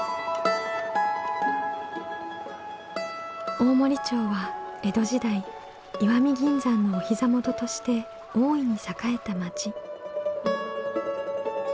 大森町は江戸時代石見銀山のお膝元として大いに栄えた町。